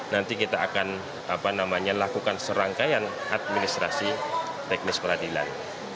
nanti kita akan lakukan serangkaian administrasi teknis peradilan